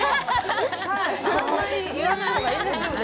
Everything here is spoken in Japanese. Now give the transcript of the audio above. あんまり言わないほうがいい。